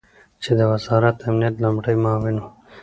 چې د وزارت امنیت لومړی معاون ؤ